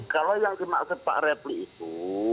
kalau yang dimaksud pak refli itu